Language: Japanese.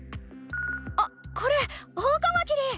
あっこれオオカマキリ！